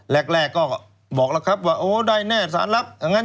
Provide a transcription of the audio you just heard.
แรกก็บอกล่ะครับว่าได้แน่ภายในสารลับ